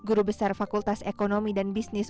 guru besar fakultas ekonomi dan bisnis